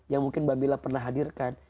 yang mungkin mbak mila pernah hadirkan